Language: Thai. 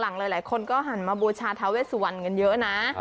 หลังเหลือหลายคนก็หันมาบูชาธาเวสุวรรณเยอะนะ